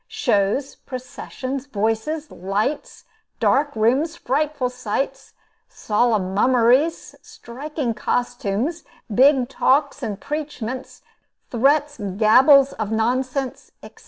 shows, processions, voices, lights, dark rooms, frightful sights, solemn mummeries, striking costumes, big talks and preachments, threats, gabbles of nonsense, etc.